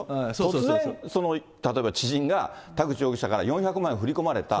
突然例えば知人が、田口容疑者から４００万円振り込まれた。